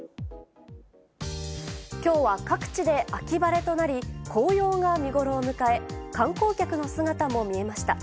きょうは各地で秋晴れとなり、紅葉が見頃を迎え、観光客の姿も見えました。